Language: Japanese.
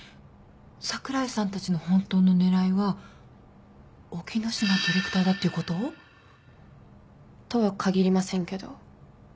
櫻井さんたちの本当の狙いは沖野島ディレクターだっていうこと？とは限りませんけど。